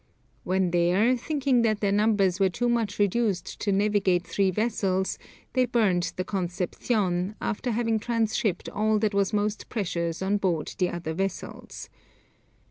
When there, thinking that their numbers were too much reduced to navigate three vessels, they burnt the Concepcion, after having transshipped all that was most precious on board the other vessels.